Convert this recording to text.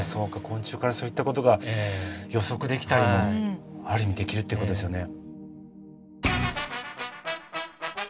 昆虫からそういったことが予測できたりもある意味できるってことですよね。